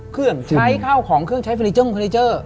เครื่องใช้ข้าวของเครื่องใช้เฟอร์นิเจอร์